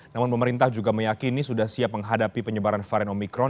namun pemerintah juga meyakini sudah siap menghadapi penyebaran varian omikron